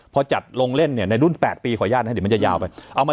พอจัดลงเล่นเนี่ยในรุ่น๘ปีขออนุญาตนะครับเดี๋ยวมันจะยาวไปเอามา